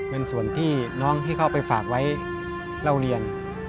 เป็นส่วนที่น้องที่เขาไปฝากไว้เล่าเรียน